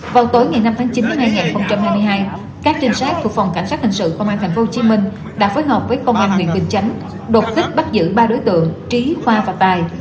vào tối ngày năm tháng chín hai nghìn hai mươi hai các trinh sát thuộc phòng cảnh sát hình sự công an tp hcm đã phối hợp với công an huyện bình chánh đột kích bắt giữ ba đối tượng trí khoa và tài